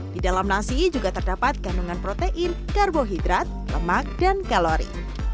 di dalam nasi juga terdapat kandungan protein karbohidrat lemak dan kalori